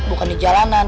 bukan di jalanan